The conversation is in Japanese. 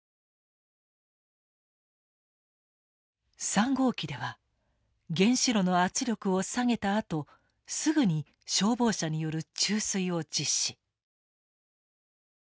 ３号機では原子炉の圧力を下げたあとすぐに消防車による注水を実施。